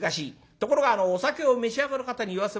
ところがお酒を召し上がる方に言わせます